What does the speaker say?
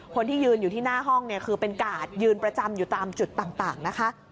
คนที่ยืนอยู่ที่หน้าห้องเนี่ยคือเป็นกาดยืนประจำอยู่ตามจุดต่างนะคะ